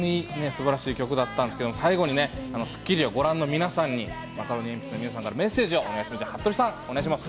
素晴らしい曲だったんですけど、最後に『スッキリ』をご覧の皆さんにマカロニえんぴつの皆さんからメッセージをお願いします。